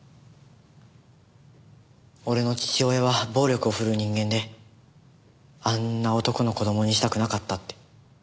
俺の父親は暴力を振るう人間であんな男の子供にしたくなかったって。